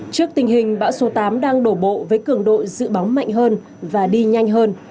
trước tình hình bão số tám đang đổ bộ với cường độ dự báo mạnh hơn và đi nhanh hơn